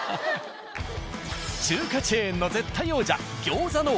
中華チェーンの絶対王者「餃子の王将」。